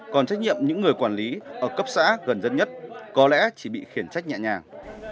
còn trách nhiệm những người quản lý ở cấp xã gần dân nhất có lẽ chỉ bị khiển trách nhẹ nhàng